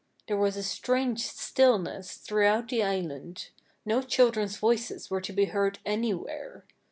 There was a strange stillness throughout the island no children's voices were to be heard anywhere.